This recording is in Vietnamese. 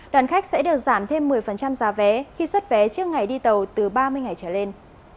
đoàn khách sẽ được giảm thêm một mươi giá vé khi xuất vé trước ngày đi tàu từ ba mươi ngày trở lên